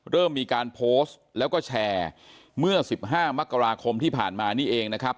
เริ่มมีการโพสต์แล้วก็แชร์เมื่อ๑๕มกราคมที่ผ่านมานี่เองนะครับ